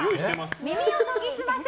耳を研ぎ澄ませ！